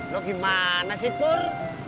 lo gimana sih pur